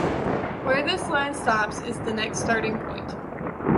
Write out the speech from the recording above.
Where this line stops is the next starting point.